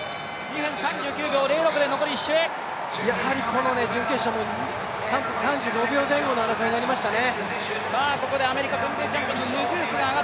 やはりこの準決勝も、３分３５秒前後の争いになりましたね。